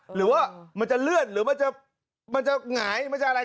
หรือว่ามันจะเลื่อนหรือมันจะหงายมันจะอะไร